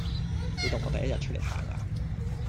你當我第一日出來行呀